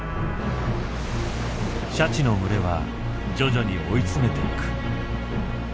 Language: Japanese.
シャチの群れは徐々に追い詰めていく。